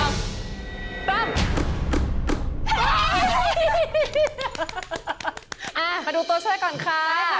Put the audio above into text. มาดูตัวช่วยก่อนค่ะ